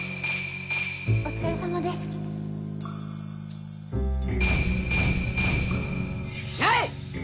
お疲れさまですやいっ！